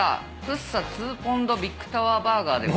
福生２ポンドビッグタワーバーガーで。